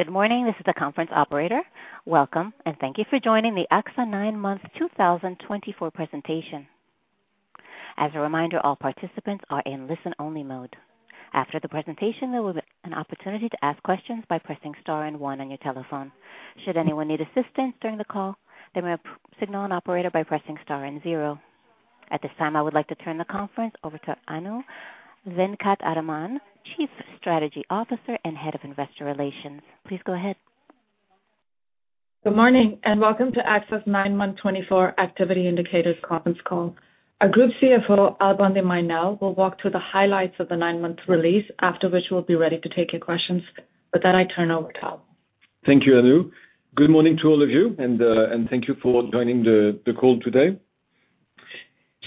Good morning, this is the conference operator. Welcome, and thank you for joining the AXA Nine Months 2024 presentation. As a reminder, all participants are in listen-only mode. After the presentation, there will be an opportunity to ask questions by pressing star and one on your telephone. Should anyone need assistance during the call, they may signal an operator by pressing star and zero. At this time, I would like to turn the conference over to Anu Venkataraman, Chief Strategy Officer and Head of Investor Relations. Please go ahead. Good morning, and welcome to AXA's Nine-Month 2024 Activity Indicators Conference Call. Our Group CFO, Alban de Mailly Nesle, will walk through the highlights of the nine-month release, after which we'll be ready to take your questions. With that, I turn over to Al. Thank you, Anu. Good morning to all of you, and thank you for joining the call today.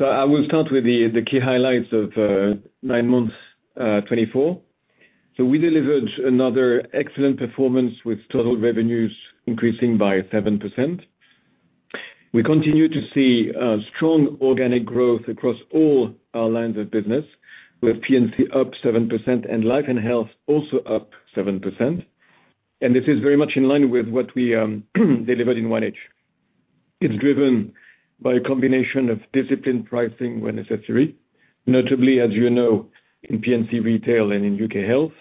I will start with the key highlights of nine months 2024. We delivered another excellent performance, with total revenues increasing by 7%. We continue to see strong organic growth across all our lines of business, with P&C up 7% and Life and Health also up 7%. This is very much in line with what we delivered in H1. It's driven by a combination of disciplined pricing when necessary, notably, as you know, in P&C retail and in UK Health.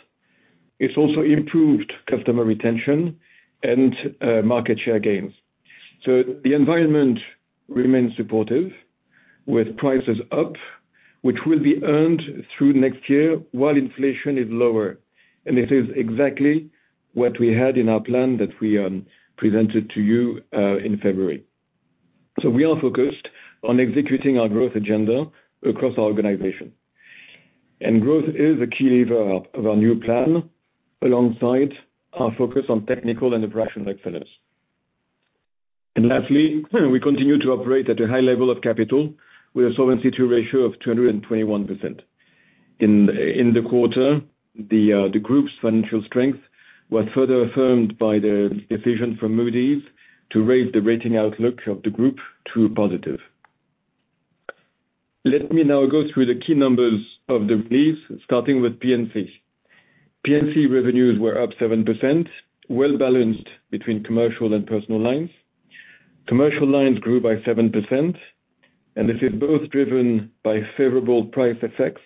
It's also improved customer retention and market share gains. The environment remains supportive, with prices up, which will be earned through next year while inflation is lower. This is exactly what we had in our plan that we presented to you in February. We are focused on executing our growth agenda across our organization. Growth is a key lever of our new plan, alongside our focus on technical and operational excellence. Lastly, we continue to operate at a high level of capital, with a solvency ratio of 221%. In the quarter, the group's financial strength was further affirmed by the decision from Moody's to raise the rating outlook of the group to positive. Let me now go through the key numbers of the release, starting with P&C. P&C revenues were up 7%, well-balanced between commercial and personal lines. Commercial lines grew by 7%. This is both driven by favorable price effects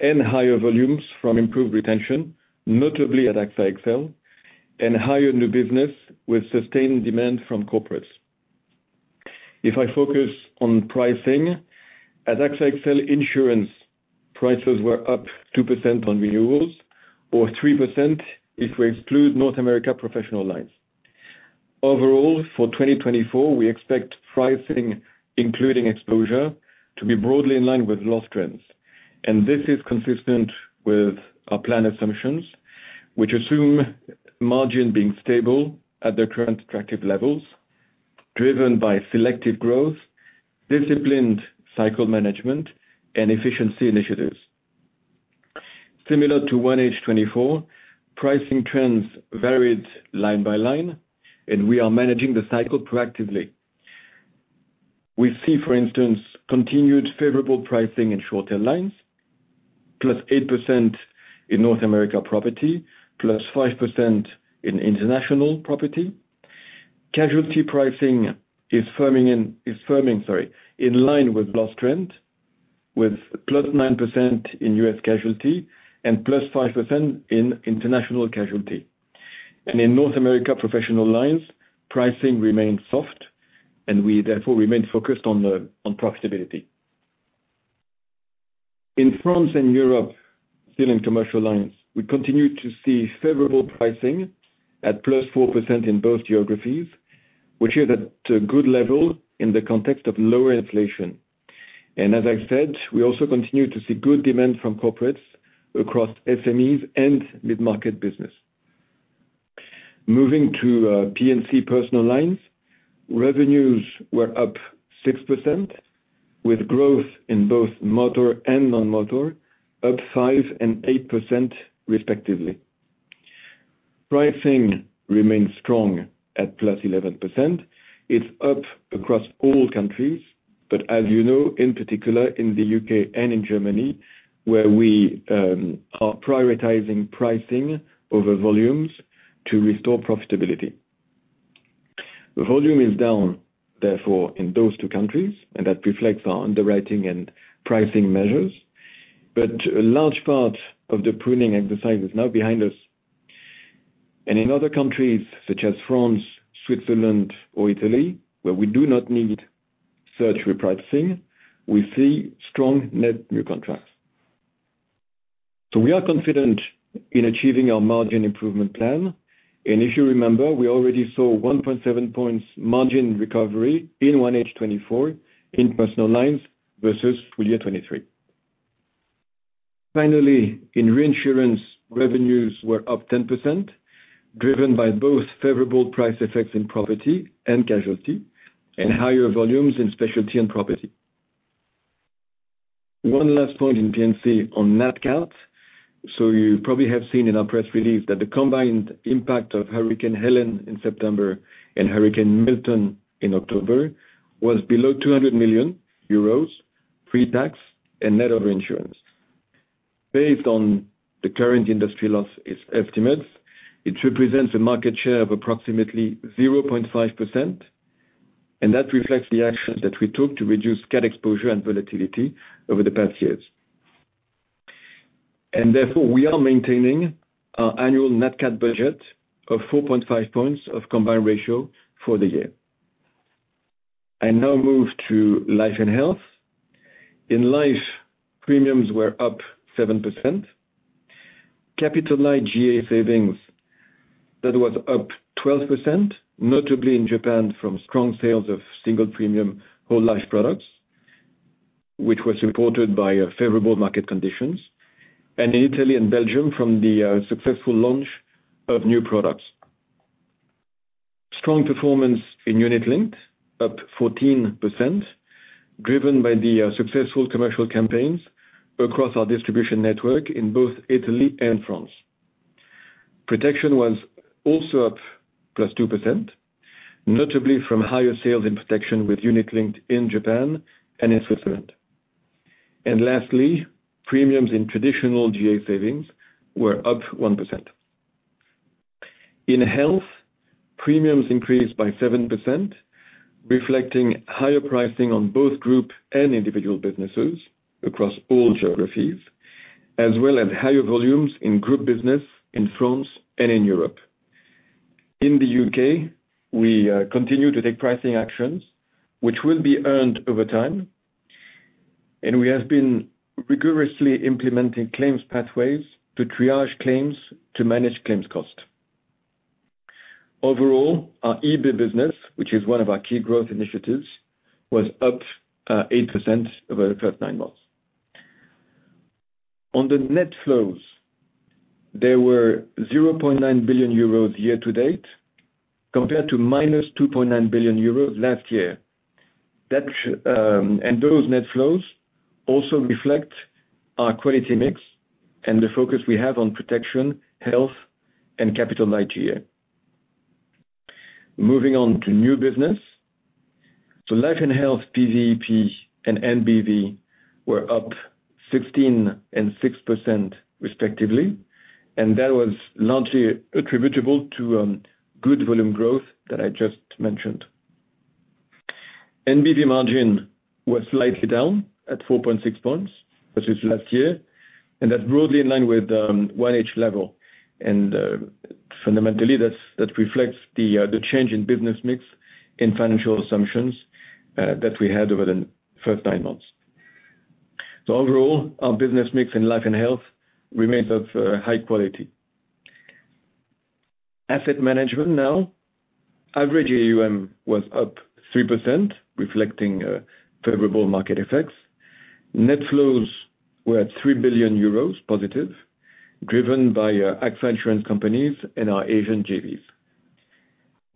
and higher volumes from improved retention, notably at AXA XL, and higher new business with sustained demand from corporates. If I focus on pricing, at AXA XL Insurance, prices were up 2% on renewals, or 3% if we exclude North America professional lines. Overall, for 2024, we expect pricing, including exposure, to be broadly in line with loss trends. And this is consistent with our plan assumptions, which assume margin being stable at their current attractive levels, driven by selective growth, disciplined cycle management, and efficiency initiatives. Similar to 1H 24, pricing trends varied line by line, and we are managing the cycle proactively. We see, for instance, continued favorable pricing in short-term lines, plus 8% in North America property, plus 5% in international property. Casualty pricing is firming in line with loss trend, with plus 9% in US casualty and plus 5% in international casualty. And in North America professional lines, pricing remains soft, and we, therefore, remain focused on profitability. In France and Europe, still in commercial lines, we continue to see favorable pricing at plus 4% in both geographies, which is at a good level in the context of lower inflation. And as I said, we also continue to see good demand from corporates across SMEs and mid-market business. Moving to P&C personal lines, revenues were up 6%, with growth in both motor and non-motor, up 5% and 8%, respectively. Pricing remains strong at plus 11%. It's up across all countries, but as you know, in particular in the U.K. and in Germany, where we are prioritizing pricing over volumes to restore profitability. Volume is down, therefore, in those two countries, and that reflects our underwriting and pricing measures. But a large part of the pruning exercise is now behind us. And in other countries, such as France, Switzerland, or Italy, where we do not need such repricing, we see strong net new contracts. So we are confident in achieving our margin improvement plan. And if you remember, we already saw 1.7 points margin recovery in Q1 2024 in personal lines versus full year 2023. Finally, in reinsurance, revenues were up 10%, driven by both favorable price effects in property and casualty, and higher volumes in specialty and property. One last point in P&C on Nat Cat. So you probably have seen in our press release that the combined impact of Hurricane Helene in September and Hurricane Milton in October was below 200 million euros, pre-tax and net of reinsurance. Based on the current industry loss estimates, it represents a market share of approximately 0.5%. That reflects the actions that we took to reduce CAD exposure and volatility over the past years. Therefore, we are maintaining our annual Nat Cat budget of 4.5 points of combined ratio for the year. I now move to life and health. In life, premiums were up 7%. Capital-light G/A savings, that was up 12%, notably in Japan from strong sales of single premium whole life products, which was supported by favorable market conditions. And in Italy and Belgium from the successful launch of new products. Strong performance in unit-linked, up 14%, driven by the successful commercial campaigns across our distribution network in both Italy and France. Protection was also up plus 2%, notably from higher sales in Protection with unit-linked in Japan and in Switzerland. And lastly, premiums in traditional GA savings were up 1%. In health, premiums increased by 7%, reflecting higher pricing on both group and individual businesses across all geographies, as well as higher volumes in group business in France and in Europe. In the U.K., we continue to take pricing actions, which will be earned over time, and we have been rigorously implementing claims pathways to triage claims to manage claims cost. Overall, our EB business, which is one of our key growth initiatives, was up 8% over the first nine months. On the net flows, there were 0.9 billion euros year to date, compared to minus 2.9 billion euros last year, and those net flows also reflect our quality mix and the focus we have on protection, health, and Capital-light G/A. Moving on to new business, so life and health PVEP and NBV were up 16% and 6%, respectively. That was largely attributable to good volume growth that I just mentioned. NBV margin was slightly down at 4.6 points, which is last year. That's broadly in line with 1H level. Fundamentally, that reflects the change in business mix in financial assumptions that we had over the first nine months. Overall, our business mix in life and health remains of high quality. Asset management now. Average AUM was up 3%, reflecting favorable market effects. Net flows were 3 billion euros positive, driven by AXA Insurance companies and our Asian JVs.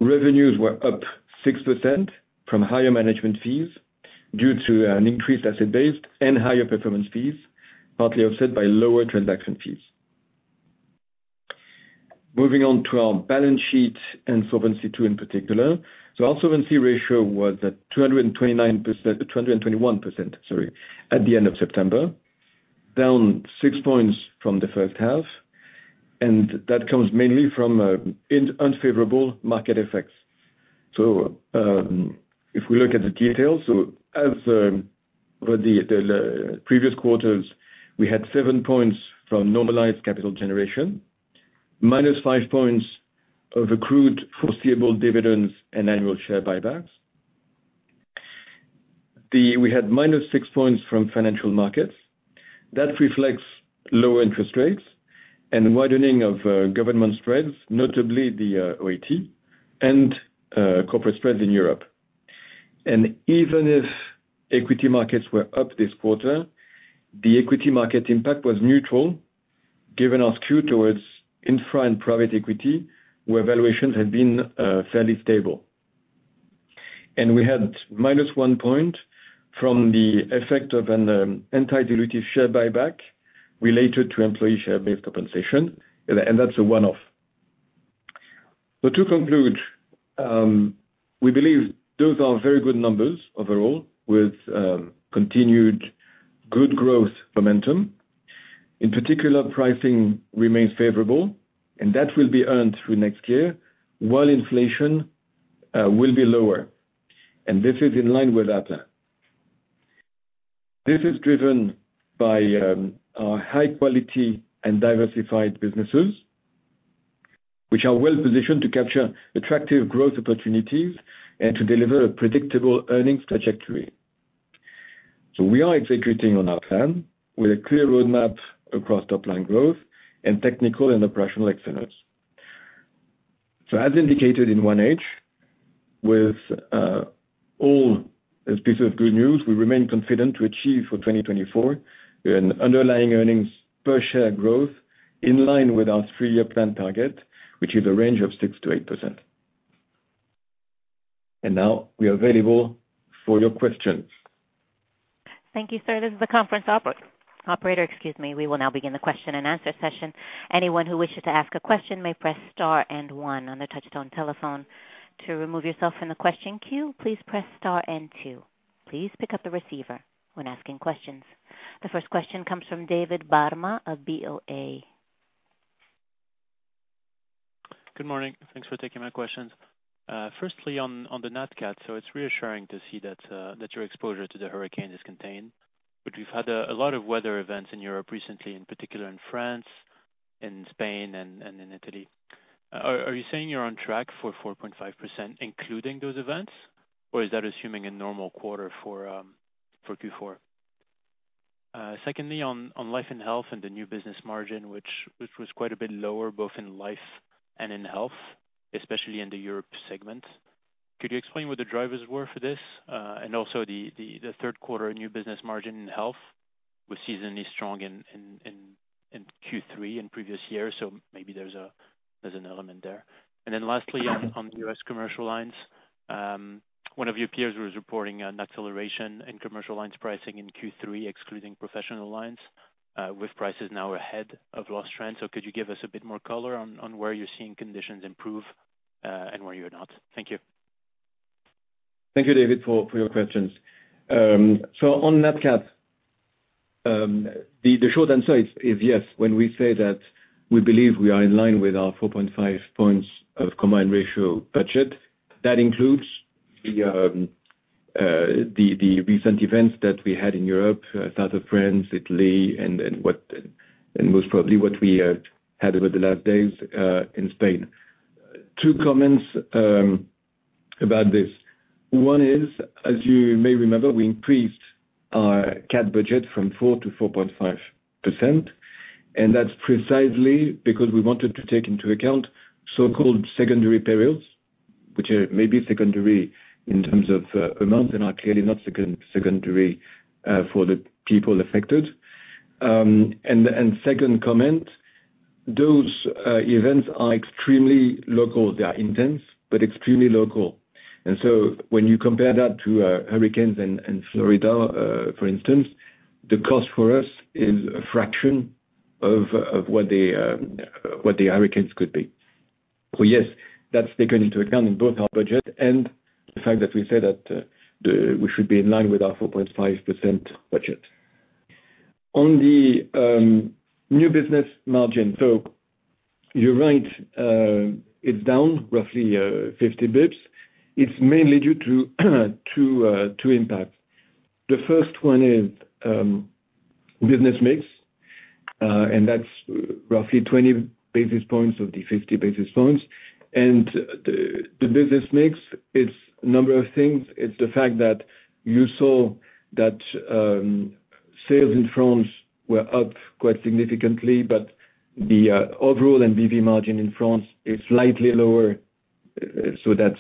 Revenues were up 6% from higher management fees due to an increased asset base and higher performance fees, partly offset by lower transaction fees. Moving on to our balance sheet and Solvency II, in particular. Our solvency ratio was at 221%, sorry, at the end of September, down 6 points from the first half. That comes mainly from unfavorable market effects. So if we look at the details, so as the previous quarters, we had seven points from normalized capital generation, minus five points of accrued foreseeable dividends and annual share buybacks. We had minus six points from financial markets. That reflects lower interest rates and widening of government spreads, notably the OAT and corporate spreads in Europe. And even if equity markets were up this quarter, the equity market impact was neutral, given our skew towards infra and private equity, where valuations had been fairly stable. And we had minus one point from the effect of an antidilutive share buyback related to employee share-based compensation. And that's a one-off. So to conclude, we believe those are very good numbers overall, with continued good growth momentum. In particular, pricing remains favorable, and that will be earned through next year, while inflation will be lower, and this is in line with AXA. This is driven by our high-quality and diversified businesses, which are well-positioned to capture attractive growth opportunities and to deliver a predictable earnings trajectory, so we are executing on our plan with a clear roadmap across top-line growth and technical and operational excellence, so as indicated in 1H, with all these pieces of good news, we remain confident to achieve for 2024 an underlying earnings per share growth in line with our three-year plan target, which is a range of 6%-8%, and now we are available for your questions. Thank you, sir. This is the conference operator. Excuse me. We will now begin the question and answer session. Anyone who wishes to ask a question may press star and one on the touch-tone telephone. To remove yourself from the question queue, please press star and two. Please pick up the receiver when asking questions. The first question comes from David Barma of BOA. Good morning. Thanks for taking my questions. Firstly, on the Nat Cat, so it's reassuring to see that your exposure to the hurricane is contained, but we've had a lot of weather events in Europe recently, in particular in France, in Spain, and in Italy. Are you saying you're on track for 4.5%, including those events, or is that assuming a normal quarter for Q4? Secondly, on life and health and the new business margin, which was quite a bit lower both in life and in health, especially in the Europe segment. Could you explain what the drivers were for this? And also the third quarter new business margin in health was seasonally strong in Q3 in previous years, so maybe there's an element there. And then lastly, on the U.S. commercial lines, one of your peers was reporting an acceleration in commercial lines pricing in Q3, excluding professional lines, with prices now ahead of loss trends. So could you give us a bit more color on where you're seeing conditions improve and where you're not? Thank you. Thank you, David, for your questions. So on Nat Cat, the short answer is yes. When we say that we believe we are in line with our 4.5 points of combined ratio budget, that includes the recent events that we had in Europe: South of France, Italy, and most probably what we had over the last days in Spain. Two comments about this. One is, as you may remember, we increased our Cat budget from 4% to 4.5%. And that's precisely because we wanted to take into account so-called secondary perils, which may be secondary in terms of amounts and are clearly not secondary for the people affected. And second comment, those events are extremely local. They are intense, but extremely local. And so when you compare that to hurricanes in Florida, for instance, the cost for us is a fraction of what the hurricanes could be. So yes, that's taken into account in both our budget and the fact that we said that we should be in line with our 4.5% budget. On the new business margin, so you're right, it's down roughly 50 basis points. It's mainly due to two impacts. The first one is business mix, and that's roughly 20 basis points of the 50 basis points. And the business mix, it's a number of things. It's the fact that you saw that sales in France were up quite significantly, but the overall NBV margin in France is slightly lower. So that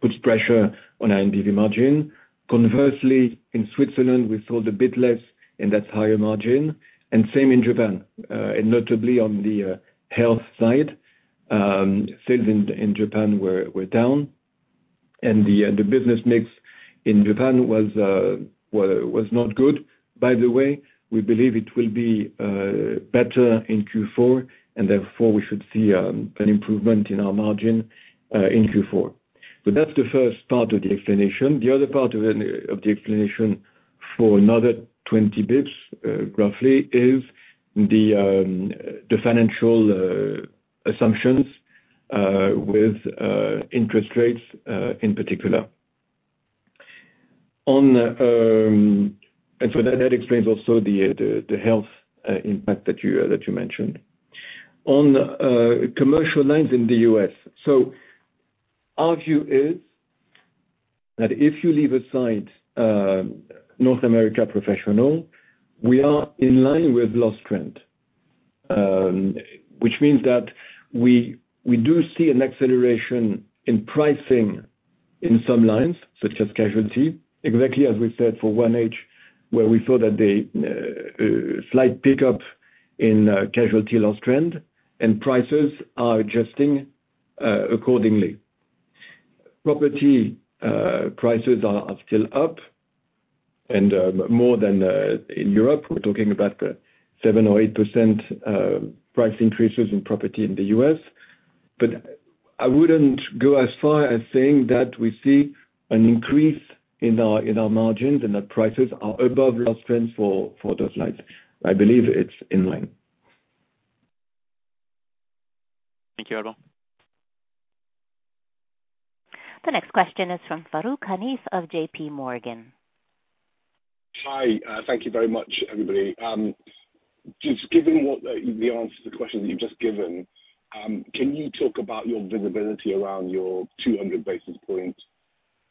puts pressure on our NBV margin. Conversely, in Switzerland, we saw a bit less, and that's higher margin. And the same in Japan. And notably on the health side, sales in Japan were down. And the business mix in Japan was not good. By the way, we believe it will be better in Q4, and therefore we should see an improvement in our margin in Q4. So that's the first part of the explanation. The other part of the explanation for another 20 basis points, roughly, is the financial assumptions with interest rates in particular. And so that explains also the health impact that you mentioned. On commercial lines in the US, so our view is that if you leave aside North America professional, we are in line with loss trend, which means that we do see an acceleration in pricing in some lines, such as casualty, exactly as we said for 1H, where we saw that the slight pickup in casualty loss trend and prices are adjusting accordingly. Property prices are still up, and more than in Europe. We're talking about 7%-8% price increases in property in the US. But I wouldn't go as far as saying that we see an increase in our margins and that prices are above loss trends for those lines. I believe it's in line. Thank you, Alban. The next question is from Farooq Hanif of JPMorgan. Hi. Thank you very much, everybody. Just given the answer to the question that you've just given, can you talk about your visibility around your 200 basis point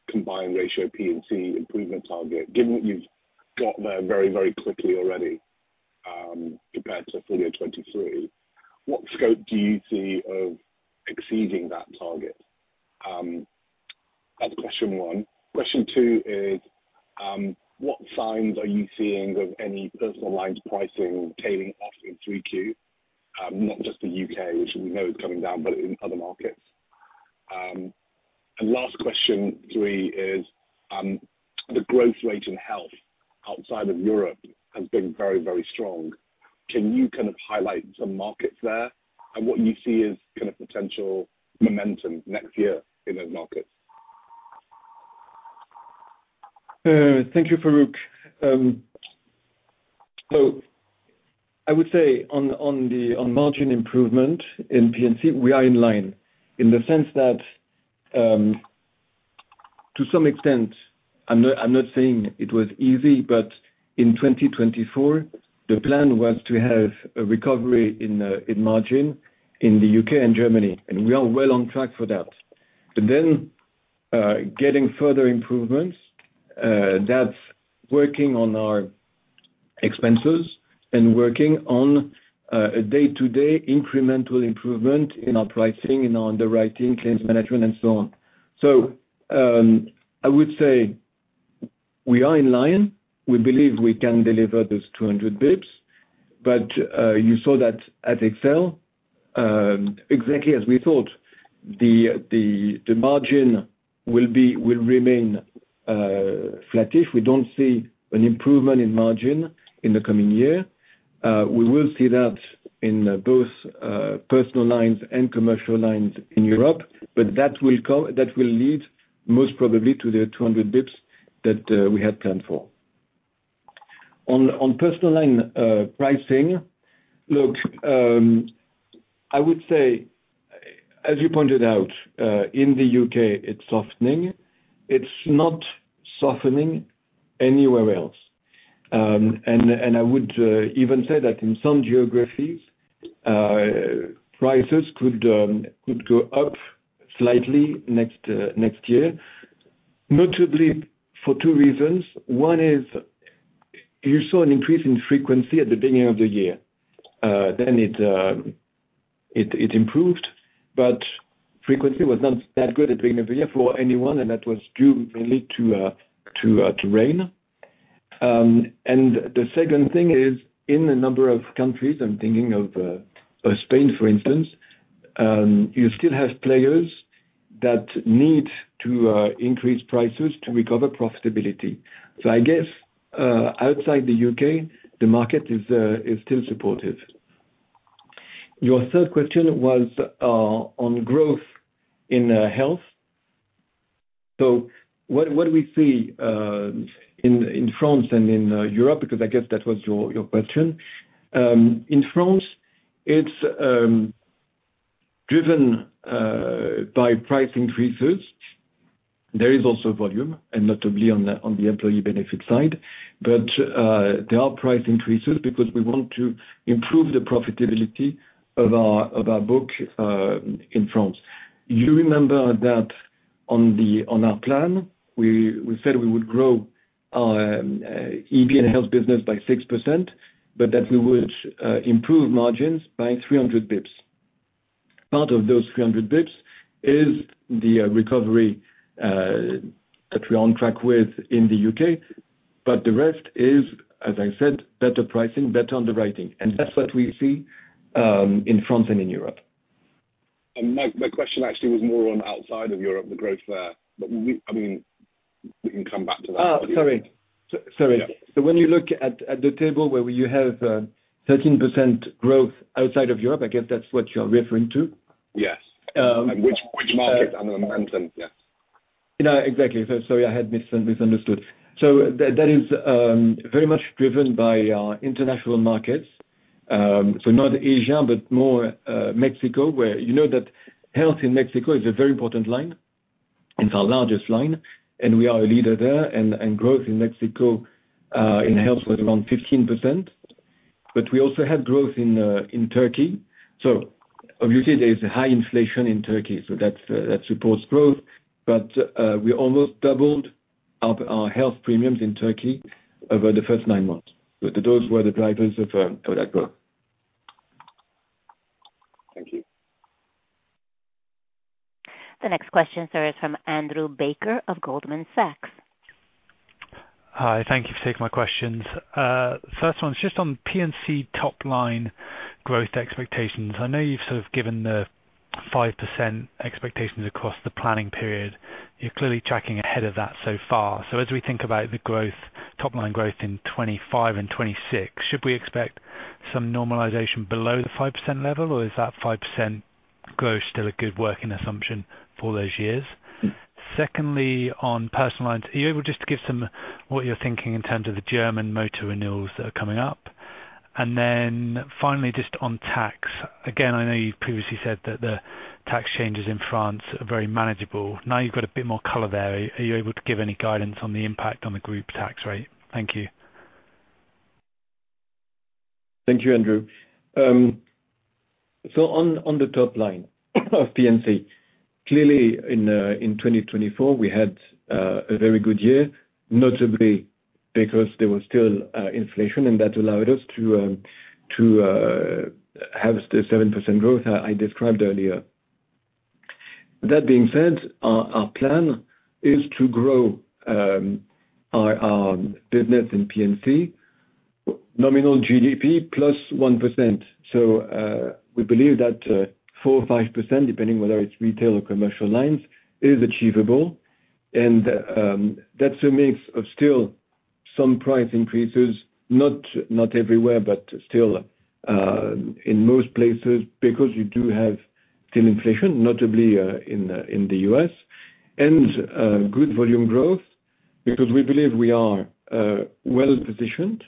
combined ratio P&C improvement target, given that you've got there very, very quickly already compared to full year 2023? What scope do you see of exceeding that target? That's question one. Question two is, what signs are you seeing of any personal lines pricing tailing off in 3Q, not just the U.K., which we know is coming down, but in other markets? And last question three is, the growth rate in health outside of Europe has been very, very strong. Can you kind of highlight some markets there and what you see as kind of potential momentum next year in those markets? Thank you, Farooq. So I would say on margin improvement in P&C, we are in line in the sense that to some extent, I'm not saying it was easy, but in 2024, the plan was to have a recovery in margin in the UK and Germany, and we are well on track for that, but then getting further improvements, that's working on our expenses and working on a day-to-day incremental improvement in our pricing, in our underwriting, claims management, and so on, so I would say we are in line. We believe we can deliver those 200 basis points. But you saw that at AXA XL, exactly as we thought. The margin will remain flat if we don't see an improvement in margin in the coming year. We will see that in both personal lines and commercial lines in Europe, but that will lead most probably to the 200 basis points that we had planned for. On personal line pricing, look, I would say, as you pointed out, in the U.K., it's softening. It's not softening anywhere else. And I would even say that in some geographies, prices could go up slightly next year, notably for two reasons. One is you saw an increase in frequency at the beginning of the year. Then it improved, but frequency was not that good at the beginning of the year for anyone, and that was due mainly to rain. And the second thing is in a number of countries, I'm thinking of Spain, for instance, you still have players that need to increase prices to recover profitability. So I guess outside the U.K., the market is still supportive. Your third question was on growth in health, so what do we see in France and in Europe? Because I guess that was your question. In France, it's driven by price increases. There is also volume, and notably on the employee benefit side, but there are price increases because we want to improve the profitability of our book in France. You remember that on our plan, we said we would grow our EB and health business by 6%, but that we would improve margins by 300 basis points. Part of those 300 basis points is the recovery that we're on track with in the U.K., but the rest is, as I said, better pricing, better underwriting, and that's what we see in France and in Europe. My question actually was more on outside of Europe, the growth there. But I mean, we can come back to that. Oh, sorry. Sorry. So when you look at the table where you have 13% growth outside of Europe, I guess that's what you're referring to? Yes. Which market? The momentum, yes. Exactly. Sorry, I had misunderstood, so that is very much driven by international markets, so not Asia, but more Mexico, where you know that health in Mexico is a very important line, it's our largest line, and we are a leader there, and growth in Mexico in health was around 15%. But we also had growth in Turkey, so obviously, there is high inflation in Turkey, so that supports growth, but we almost doubled our health premiums in Turkey over the first nine months, so those were the drivers of that growth. Thank you. The next question, sir, is from Andrew Baker of Goldman Sachs. Hi. Thank you for taking my questions. First one's just on P&C top-line growth expectations. I know you've sort of given the 5% expectations across the planning period. You're clearly tracking ahead of that so far. So as we think about the growth, top-line growth in 2025 and 2026, should we expect some normalization below the 5% level, or is that 5% growth still a good working assumption for those years? Secondly, on personal lines, are you able just to give some what you're thinking in terms of the German motor renewals that are coming up? And then finally, just on tax. Again, I know you've previously said that the tax changes in France are very manageable. Now you've got a bit more color there. Are you able to give any guidance on the impact on the group tax rate? Thank you. Thank you, Andrew. So on the top line of P&C, clearly in 2024, we had a very good year, notably because there was still inflation, and that allowed us to have the 7% growth I described earlier. That being said, our plan is to grow our business in P&C, nominal GDP plus 1%. So we believe that 4% or 5%, depending whether it's retail or commercial lines, is achievable. And that's a mix of still some price increases, not everywhere, but still in most places because you do have still inflation, notably in the U.S., and good volume growth because we believe we are well positioned.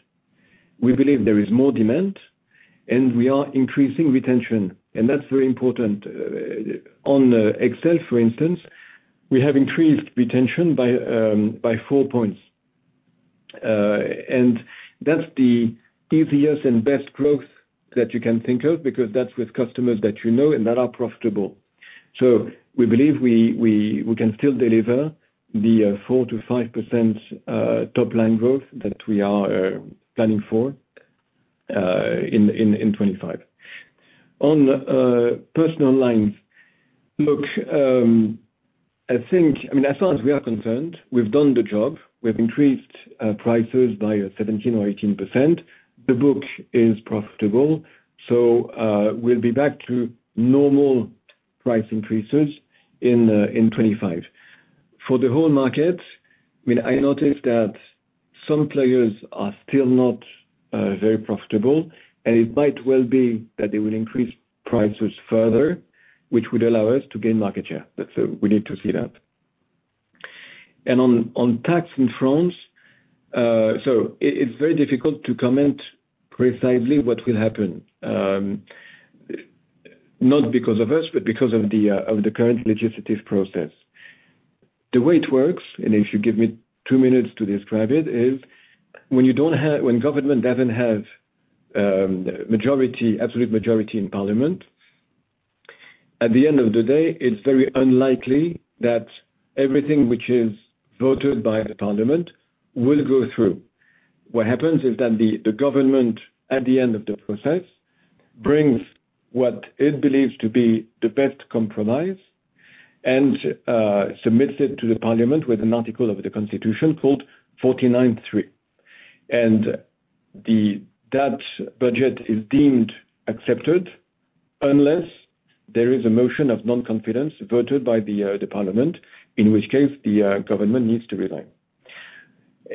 We believe there is more demand, and we are increasing retention. And that's very important. On AXA XL, for instance, we have increased retention by four points. That's the easiest and best growth that you can think of because that's with customers that you know and that are profitable. So we believe we can still deliver the 4%-5% top-line growth that we are planning for in 2025. On personal lines, look, I think, I mean, as far as we are concerned, we've done the job. We have increased prices by 17% or 18%. The book is profitable. So we'll be back to normal price increases in 2025. For the whole market, I mean, I noticed that some players are still not very profitable, and it might well be that they will increase prices further, which would allow us to gain market share. So we need to see that. And on tax in France, so it's very difficult to comment precisely what will happen, not because of us, but because of the current legislative process. The way it works, and if you give me two minutes to describe it, is when government doesn't have absolute majority in parliament, at the end of the day, it's very unlikely that everything which is voted by the parliament will go through. What happens is that the government, at the end of the process, brings what it believes to be the best compromise and submits it to the parliament with an article of the constitution called 49-3. And that budget is deemed accepted unless there is a motion of non-confidence voted by the parliament, in which case the government needs to resign.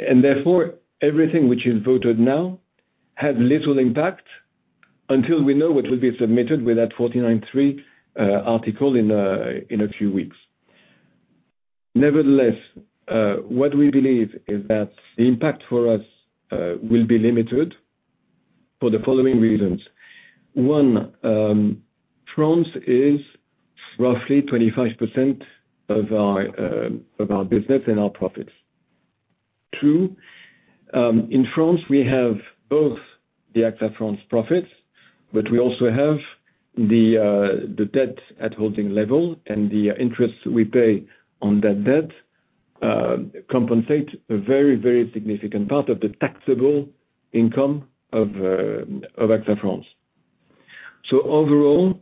And therefore, everything which is voted now has little impact until we know what will be submitted with that 49-3 article in a few weeks. Nevertheless, what we believe is that the impact for us will be limited for the following reasons. One, France is roughly 25% of our business and our profits. Two, in France, we have both the AXA France profits, but we also have the debt at holding level and the interest we pay on that debt compensate a very, very significant part of the taxable income of AXA France. So overall,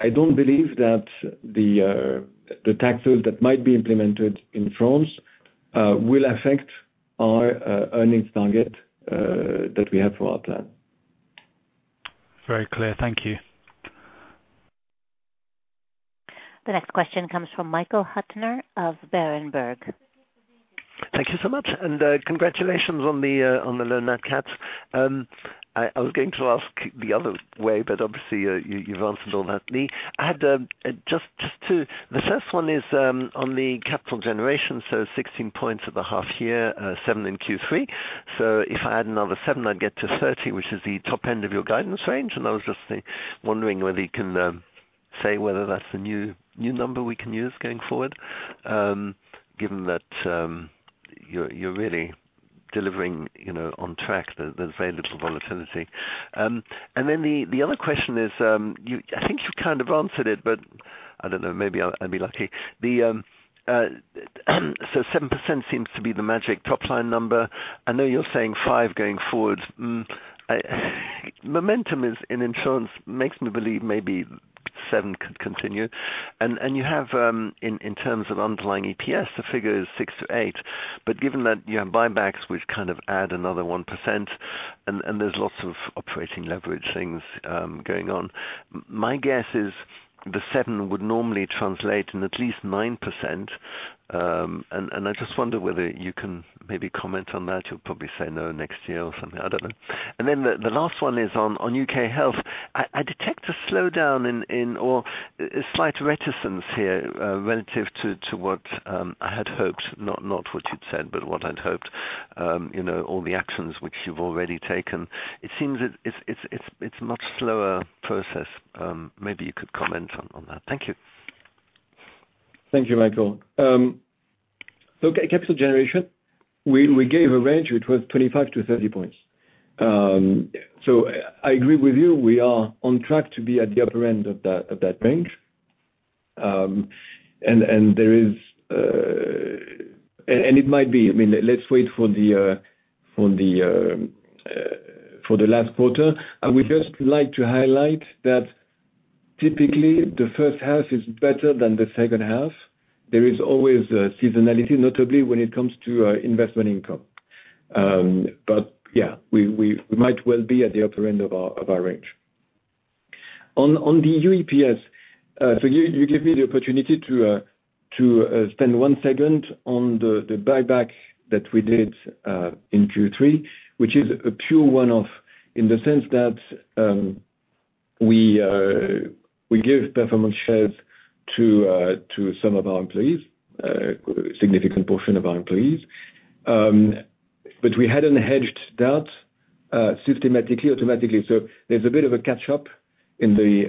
I don't believe that the taxes that might be implemented in France will affect our earnings target that we have for our plan. Very clear. Thank you. The next question comes from Michael Huttner of Berenberg. Thank you so much. And congratulations on the lower cat. I was going to ask the other way, but obviously, you've answered all that to me. Just the first one is on the capital generation, so 16 points of the half year, seven in Q3. So if I add another seven, I'd get to 30, which is the top end of your guidance range. And I was just wondering whether you can say whether that's the new number we can use going forward, given that you're really delivering on track, there's very little volatility. And then the other question is, I think you kind of answered it, but I don't know, maybe I'll be lucky. So 7% seems to be the magic top-line number. I know you're saying 5% going forward. Momentum in insurance makes me believe maybe 7% could continue. And you have, in terms of underlying EPS, the figure is 6%-8%. But given that you have buybacks which kind of add another 1%, and there's lots of operating leverage things going on, my guess is the 7% would normally translate in at least 9%. And I just wonder whether you can maybe comment on that. You'll probably say no next year or something. I don't know. And then the last one is on UK Health. I detect a slowdown or slight reticence here relative to what I had hoped, not what you'd said, but what I'd hoped, all the actions which you've already taken. It seems it's a much slower process. Maybe you could comment on that. Thank you. Thank you, Michael. Capital generation, we gave a range. It was 25%-30% points. I agree with you. We are on track to be at the upper end of that range. And it might be. I mean, let's wait for the last quarter. I would just like to highlight that typically, the first half is better than the second half. There is always seasonality, notably when it comes to investment income. But yeah, we might well be at the upper end of our range. On the UEPS, you gave me the opportunity to spend one second on the buyback that we did in Q3, which is a pure one-off in the sense that we give performance shares to some of our employees, a significant portion of our employees. But we hadn't hedged that systematically, automatically. So there's a bit of a catch-up in the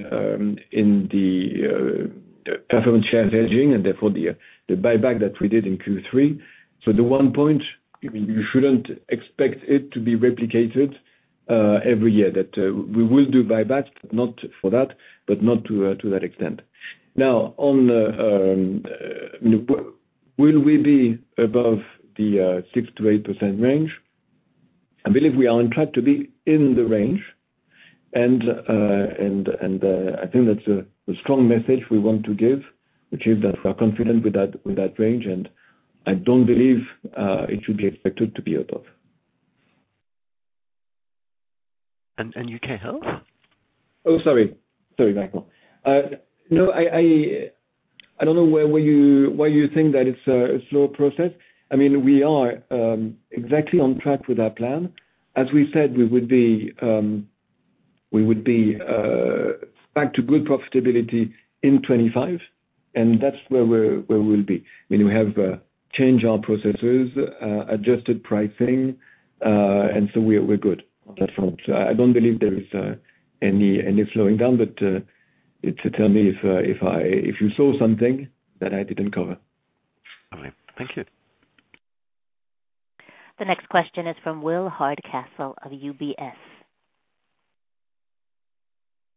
performance share hedging and therefore the buyback that we did in Q3. So the one point, you shouldn't expect it to be replicated every year, that we will do buybacks, but not for that, but not to that extent. Now, will we be above the 6%-8% range? I believe we are on track to be in the range. And I think that's the strong message we want to give, which is that we are confident with that range. And I don't believe it should be expected to be above. And UK Health? Oh, sorry. Sorry, Michael. No, I don't know why you think that it's a slow process. I mean, we are exactly on track with our plan. As we said, we would be back to good profitability in 2025. And that's where we will be. I mean, we have changed our processes, adjusted pricing, and so we're good on that front. So I don't believe there is any slowing down, but tell me if you saw something that I didn't cover. All right. Thank you. The next question is from Will Hardcastle of UBS.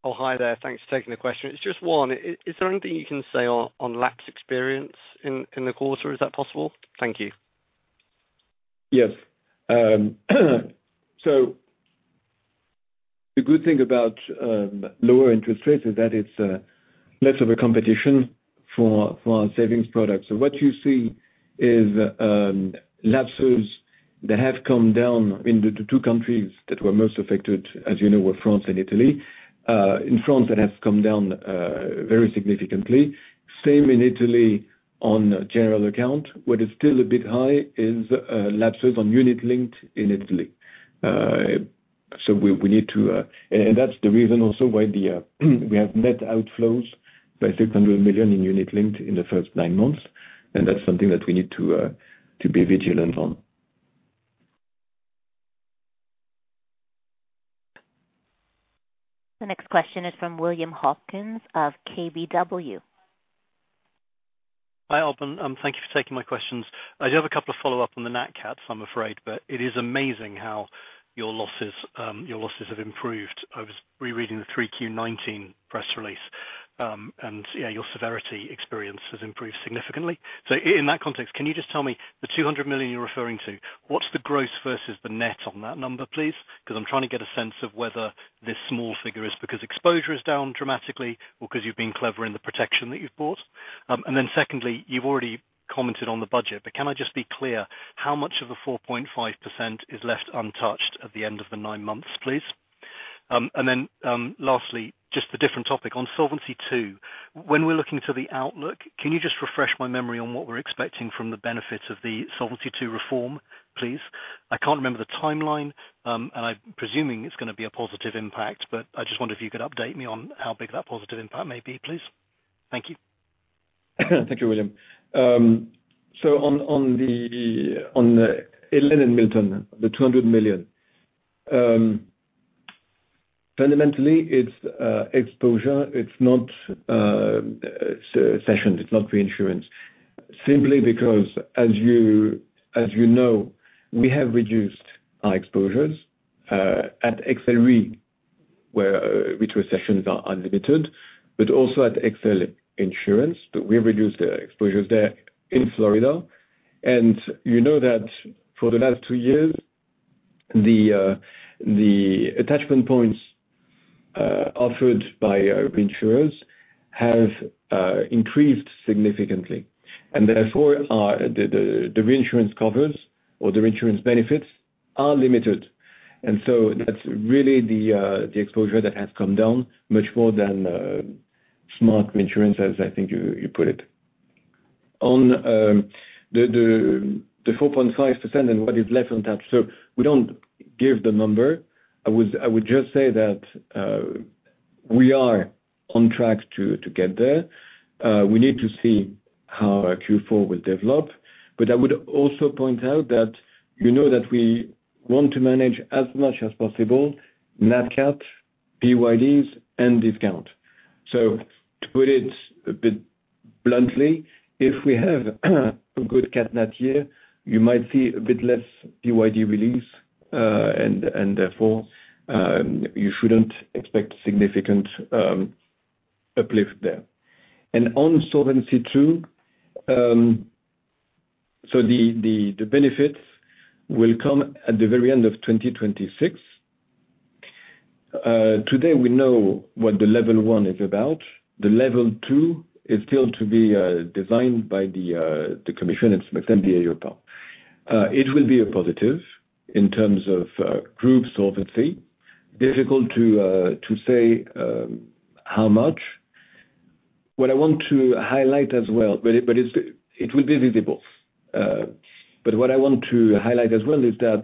Oh, hi there. Thanks for taking the question. It's just one. Is there anything you can say on lapse experience in the quarter? Is that possible? Thank you. Yes. So the good thing about lower interest rates is that it's less of a competition for our savings products. So what you see is lapses that have come down in the two countries that were most affected, as you know, were France and Italy. In France, that has come down very significantly. Same in Italy on general account. What is still a bit high is lapses on unit-linked in Italy. So we need to, and that's the reason also why we have net outflows by 600 million in unit-linked in the first nine months. And that's something that we need to be vigilant on. The next question is from William Hawkins of KBW. Hi, Alban. Thank you for taking my questions. I do have a couple of follow-ups on the Nat Cat, I'm afraid, but it is amazing how your losses have improved. I was rereading the 3Q19 press release, and yeah, your severity experience has improved significantly, so in that context, can you just tell me the 200 million you're referring to, what's the gross versus the net on that number, please? Because I'm trying to get a sense of whether this small figure is because exposure is down dramatically or because you've been clever in the protection that you've bought, and then secondly, you've already commented on the budget, but can I just be clear how much of the 4.5% is left untouched at the end of the nine months, please? And then lastly, just a different topic on Solvency II. When we're looking to the outlook, can you just refresh my memory on what we're expecting from the benefits of the Solvency II reform, please? I can't remember the timeline, and I'm presuming it's going to be a positive impact, but I just wonder if you could update me on how big that positive impact may be, please? Thank you. Thank you, William. So on the Helene and Milton, the 200 million, fundamentally, it's exposure. It's not cessions. It's not reinsurance. Simply because, as you know, we have reduced our exposures at AXA XL, which were cessions are unlimited, but also at AXA Insurance. But we reduced the exposures there in Florida. And you know that for the last two years, the attachment points offered by reinsurers have increased significantly. And therefore, the reinsurance covers or the reinsurance benefits are limited. And so that's really the exposure that has come down much more than smart reinsurance, as I think you put it. On the 4.5% and what is left on tap, so we don't give the number. I would just say that we are on track to get there. We need to see how Q4 will develop. But I would also point out that you know that we want to manage as much as possible Nat Cat, PYDs, and discount. So to put it a bit bluntly, if we have a good Cat Nat year, you might see a bit less PYD release, and therefore, you shouldn't expect significant uplift there. And on Solvency II, so the benefits will come at the very end of 2026. Today, we know what the Level 1 is about. The Level 2 is still to be designed by the commission and some extent the Europe. It will be a positive in terms of group solvency. Difficult to say how much. What I want to highlight as well, but it will be visible. But what I want to highlight as well is that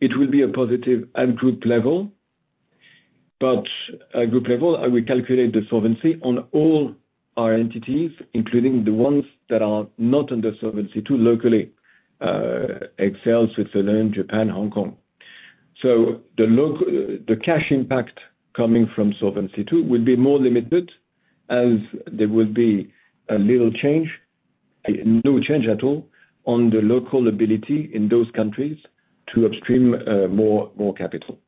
it will be a positive at group level. But at group level, I will calculate the solvency on all our entities, including the ones that are not under Solvency II, locally, AXA XL, Switzerland, Japan, Hong Kong. So the cash impact coming from Solvency II will be more limited as there will be a little change, no change at all, on the local ability in those countries to upstream more capital.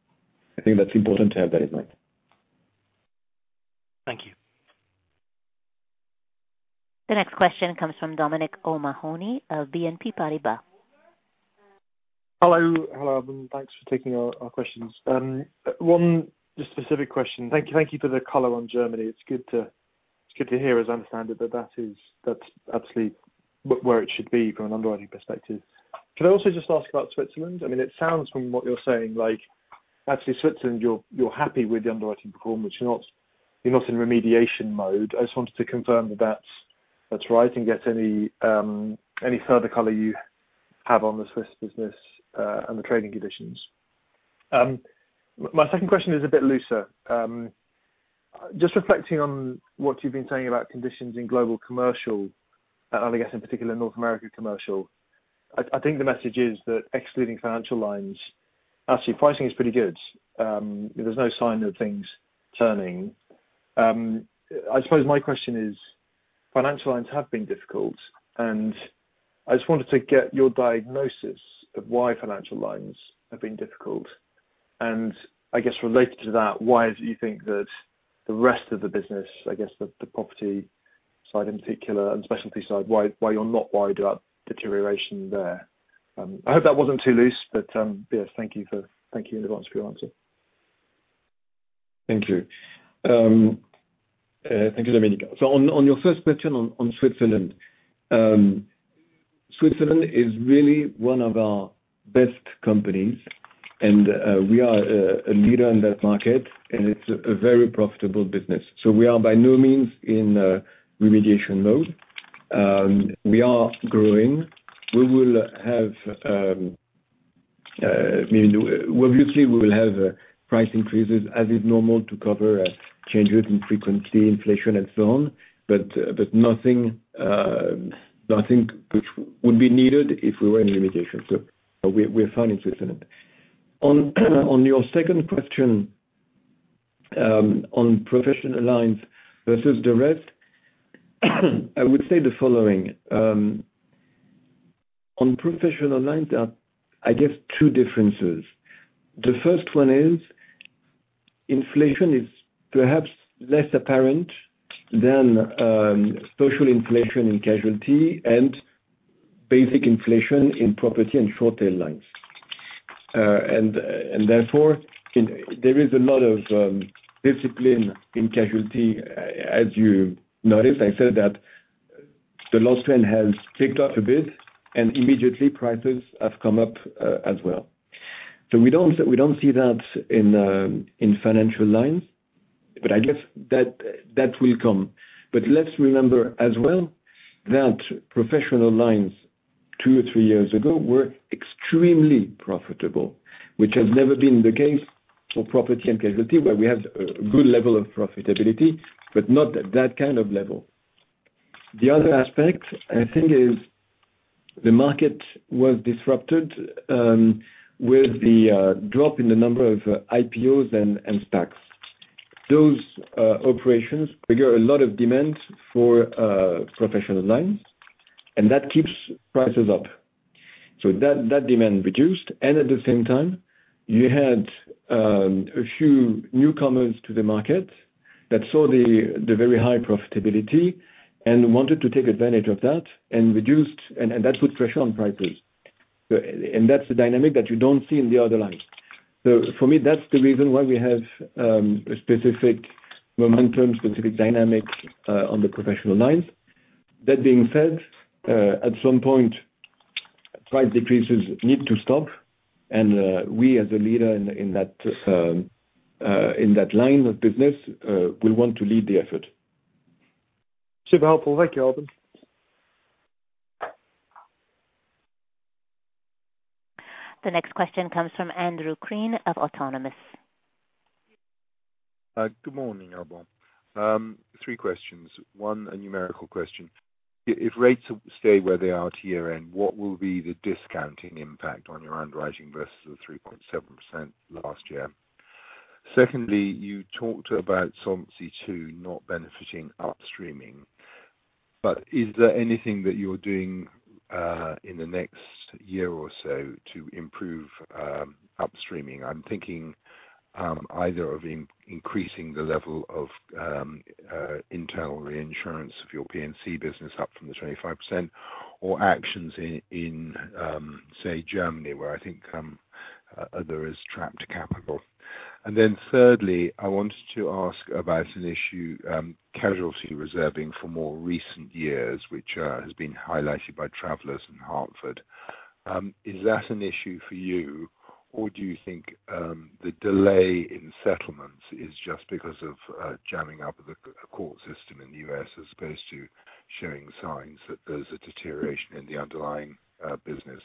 I think that's important to have that in mind. Thank you. The next question comes from Dominic O'Mahony of BNP Paribas. Hello. Hello, Alban. Thanks for taking our questions. One specific question. Thank you for the color on Germany. It's good to hear, as I understand it, that that's absolutely where it should be from an underwriting perspective. Could I also just ask about Switzerland? I mean, it sounds from what you're saying like, actually, Switzerland, you're happy with the underwriting performance. You're not in remediation mode. I just wanted to confirm that that's right and get any further color you have on the Swiss business and the trading conditions. My second question is a bit looser. Just reflecting on what you've been saying about conditions in global commercial, and I guess in particular, North America commercial, I think the message is that excluding financial lines, actually, pricing is pretty good. There's no sign of things turning. I suppose my question is, financial lines have been difficult. And I just wanted to get your diagnosis of why financial lines have been difficult. And I guess related to that, why is it you think that the rest of the business, I guess, the property side in particular and specialty side, why you're not worried about deterioration there? I hope that wasn't too loose, but yes, thank you in advance for your answer. Thank you. Thank you, Dominic. So on your first question on Switzerland, Switzerland is really one of our best companies, and we are a leader in that market, and it's a very profitable business. So we are by no means in remediation mode. We are growing. We will have, I mean, obviously, we will have price increases as is normal to cover changes in frequency, inflation, and so on, but nothing which would be needed if we were in remediation. So we're fine in Switzerland. On your second question on professional lines versus the rest, I would say the following. On professional lines, I guess two differences. The first one is inflation is perhaps less apparent than social inflation in casualty and basic inflation in property and short-tail lines, and therefore there is a lot of discipline in casualty, as you noticed. I said that the loss trend has kicked off a bit, and immediately, prices have come up as well. So we don't see that in financial lines, but I guess that will come. But let's remember as well that professional lines two or three years ago were extremely profitable, which has never been the case for property and casualty, where we have a good level of profitability, but not that kind of level. The other aspect, I think, is the market was disrupted with the drop in the number of IPOs and SPACs. Those operations trigger a lot of demand for professional lines, and that keeps prices up. So that demand reduced. And at the same time, you had a few newcomers to the market that saw the very high profitability and wanted to take advantage of that and reduced, and that put pressure on prices. And that's the dynamic that you don't see in the other lines. So for me, that's the reason why we have a specific momentum, specific dynamic on the professional lines. That being said, at some point, price decreases need to stop. And we, as a leader in that line of business, will want to lead the effort. Super helpful. Thank you, Alban. The next question comes from Andrew Crean of Autonomous. Good morning, Alban. Three questions. One, a numerical question. If rates stay where they are at year-end, what will be the discounting impact on your underwriting versus the 3.7% last year? Secondly, you talked about Solvency II not benefiting upstreaming. But is there anything that you're doing in the next year or so to improve upstreaming? I'm thinking either of increasing the level of internal reinsurance of your P&C business up from the 25% or actions in, say, Germany, where I think there is trapped capital. And then thirdly, I wanted to ask about an issue casualty reserving for more recent years, which has been highlighted by Travelers and Hartford. Is that an issue for you, or do you think the delay in settlements is just because of jamming up the court system in the U.S. as opposed to showing signs that there's a deterioration in the underlying business?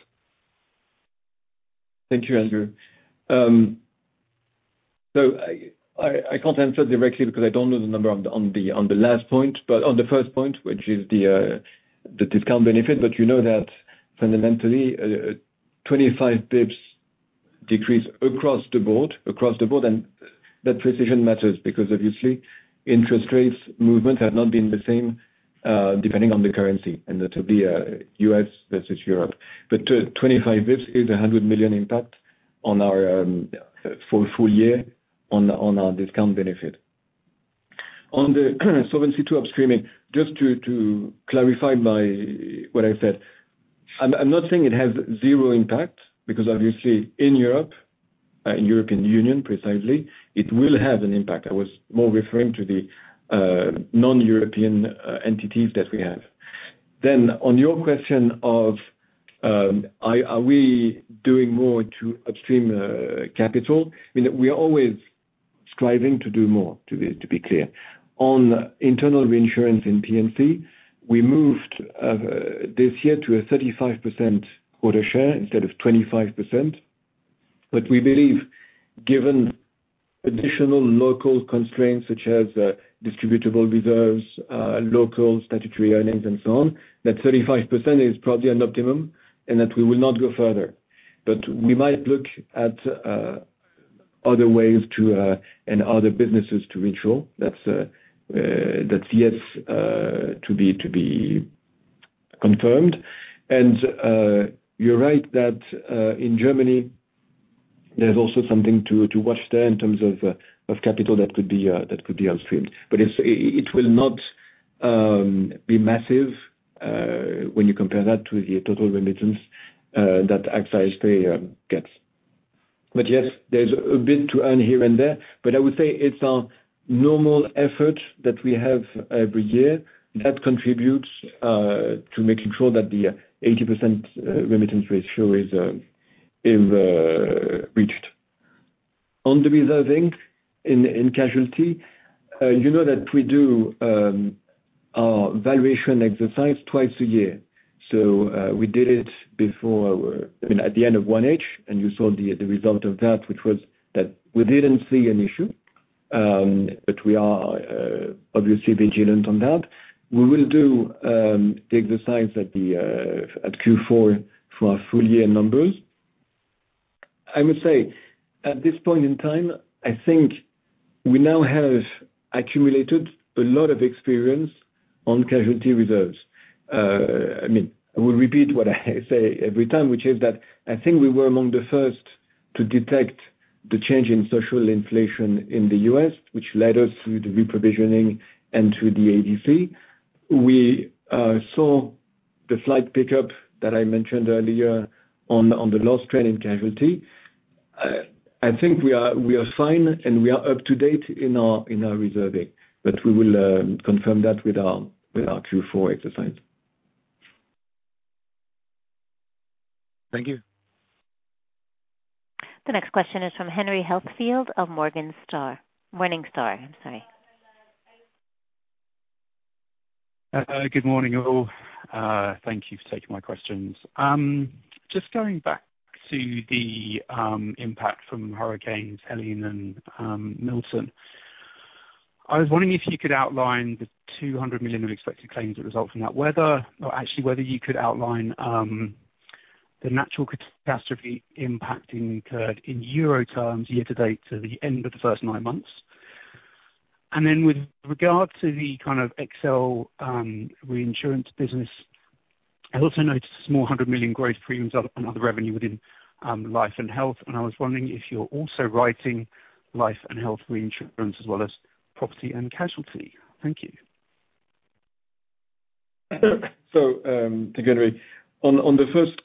Thank you, Andrew. So I can't answer directly because I don't know the number on the last point, but on the first point, which is the discount benefit, but you know that fundamentally, 25 basis points decrease across the board, across the board. And that precision matters because, obviously, interest rates movements have not been the same depending on the currency, and that would be U.S. versus Europe. But 25 basis points is a 100 million impact for a full year on our discount benefit. On the Solvency II upstreaming, just to clarify by what I said, I'm not saying it has zero impact because, obviously, in Europe, in the European Union, precisely, it will have an impact. I was more referring to the non-European entities that we have. Then on your question of are we doing more to upstream capital, I mean, we are always striving to do more, to be clear. On internal reinsurance in P&C, we moved this year to a 35% quota share instead of 25%. But we believe, given additional local constraints such as distributable reserves, local statutory earnings, and so on, that 35% is probably an optimum and that we will not go further. But we might look at other ways and other businesses to reinsure. That's yet to be confirmed. And you're right that in Germany, there's also something to watch there in terms of capital that could be upstream. But it will not be massive when you compare that to the total remittance that AXA SA gets. But yes, there's a bit to earn here and there. But I would say it's a normal effort that we have every year that contributes to making sure that the 80% remittance ratio is reached. On the reserving in casualty, you know that we do our valuation exercise twice a year. So we did it before, I mean, at the end of 1H, and you saw the result of that, which was that we didn't see an issue, but we are obviously vigilant on that. We will do the exercise at Q4 for our full year numbers. I would say at this point in time, I think we now have accumulated a lot of experience on casualty reserves. I mean, I will repeat what I say every time, which is that I think we were among the first to detect the change in social inflation in the U.S., which led us through the reprovisioning and through the ADC. We saw the slight pickup that I mentioned earlier on the loss trend in casualty. I think we are fine, and we are up to date in our reserving. But we will confirm that with our Q4 exercise. Thank you. The next question is from Henry Heathfield of Morgan Star. Morningstar, I'm sorry. Good morning, all. Thank you for taking my questions. Just going back to the impact from Hurricanes Helene and Milton, I was wondering if you could outline the 200 million of expected claims that result from that, whether or actually whether you could outline the natural catastrophe impact incurred in euro terms year-to-date to the end of the first nine months. And then with regard to the kind of AXA XL reinsurance business, I also noticed a small 100 million gross premiums and other revenue within life and health. And I was wondering if you're also writing life and health reinsurance as well as property and casualty. Thank you. So, to answer, on the first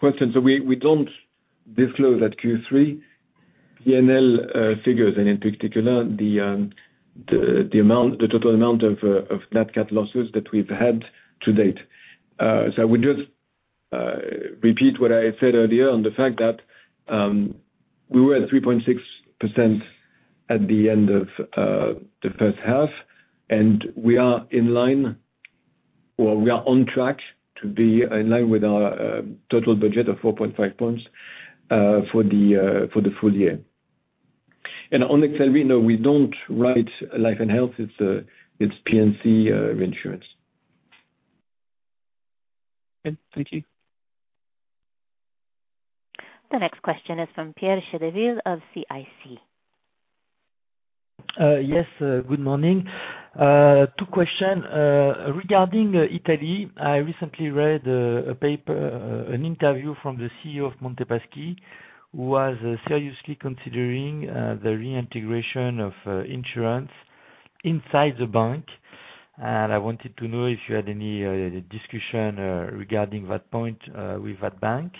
question, so we don't disclose Q3 P&L figures, and in particular, the total amount of those losses that we've had to date. So I would just repeat what I said earlier on the fact that we were at 3.6% at the end of the first half, and we are in line, or we are on track to be in line with our total budget of 4.5 points for the full year. And on AXA XL, we know we don't write life and health; it's P&C reinsurance. Thank you. The next question is from Pierre Chedeville of CIC. Yes, good morning. Two questions. Regarding Italy, I recently read an interview from the CEO of Monte Paschi, who was seriously considering the reintegration of insurance inside the bank, and I wanted to know if you had any discussion regarding that point with that bank,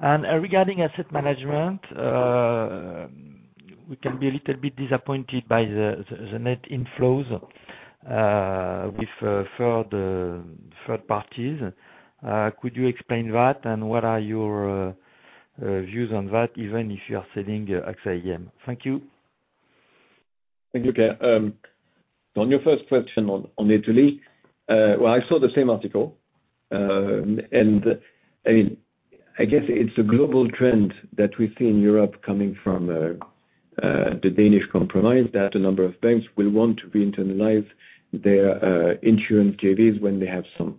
and regarding asset management, we can be a little bit disappointed by the net inflows with third parties. Could you explain that, and what are your views on that, even if you are selling AXA AM? Thank you. Thank you, Pierre. On your first question on Italy, well, I saw the same article, and I mean, I guess it's a global trend that we see in Europe coming from the Danish Compromise, that a number of banks will want to reinternalize their insurance JVs when they have some.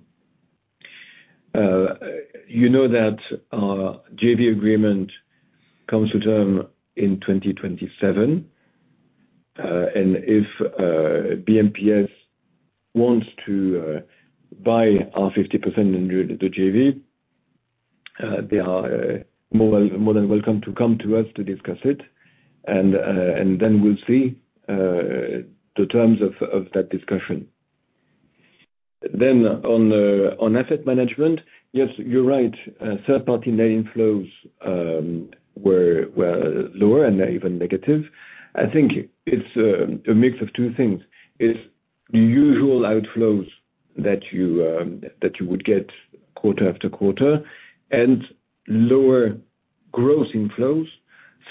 You know that our JV agreement comes to term in 2027. And if BMPS wants to buy our 50% in the JV, they are more than welcome to come to us to discuss it. And then we'll see the terms of that discussion. Then on asset management, yes, you're right. Third-party net inflows were lower and even negative. I think it's a mix of two things. It's the usual outflows that you would get quarter after quarter and lower gross inflows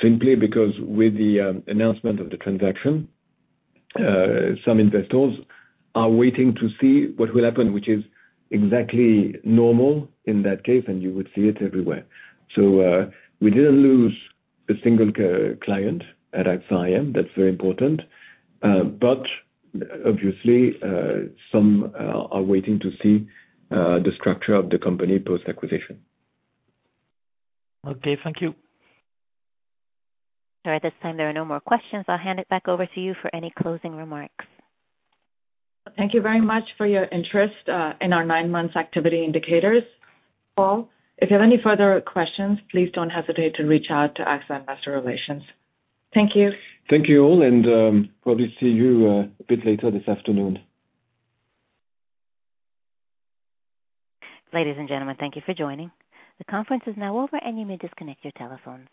simply because with the announcement of the transaction, some investors are waiting to see what will happen, which is exactly normal in that case, and you would see it everywhere. So we didn't lose a single client at AXA AM. That's very important. But obviously, some are waiting to see the structure of the company post-acquisition. Okay, thank you. All right. At this time, there are no more questions. I'll hand it back over to you for any closing remarks. Thank you very much for your interest in our nine-month activity indicators, Paul. If you have any further questions, please don't hesitate to reach out to AXA Investor Relations. Thank you. Thank you all, and probably see you a bit later this afternoon. Ladies and gentlemen, thank you for joining. The conference is now over, and you may disconnect your telephones.